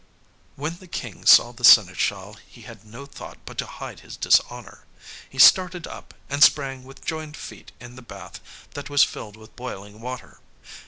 When the King saw the seneschal he had no thought but to hide his dishonour. He started up, and sprang with joined feet in the bath that was filled with boiling water.